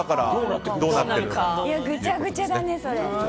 ぐちゃぐちゃだね、それ。